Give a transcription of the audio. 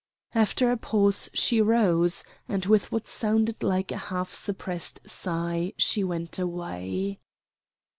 After a pause she rose, and, with what sounded like a half suppressed sigh, she went away.